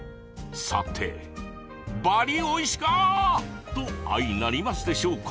さて、ばり、おいしかぁ！と相成りますでしょうか？